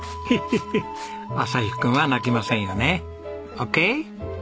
オッケー。